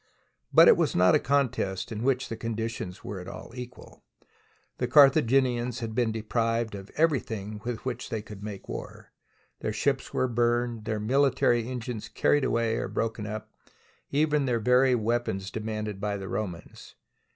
But it was not a contest in which the conditions were at all equal. The Carthaginians had been deprived of everything with which they could make war. Their ships were burned, their mil itary engines carried away or broken up, even their very weapons demanded by the Romans.